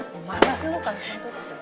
mana sih lu kan sentuh kas ini